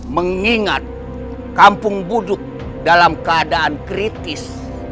mengingat kampung buduk dalam keadaan kritis